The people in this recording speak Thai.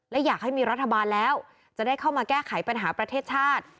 และอยากให้มีรัฐบาลแล้วจะได้เข้ามาแก้ไขปัญหาประเทศชาติ